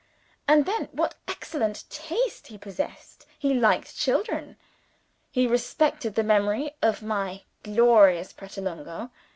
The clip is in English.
And, then, what excellent taste he possessed. He liked children! he respected the memory of my glorious Pratolungo!